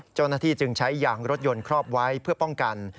เจ้าหน้าที่จึงใช้ยางรถยนต์ครอบไว้เพื่อป้องกัน